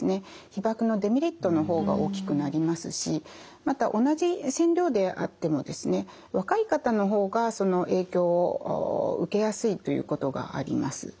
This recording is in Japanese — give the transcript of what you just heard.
被ばくのデメリットの方が大きくなりますしまた同じ線量であってもですね若い方の方がその影響を受けやすいということがあります。